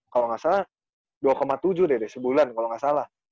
kalo enggak salah dua tujuh deh sebulan kalo enggak salah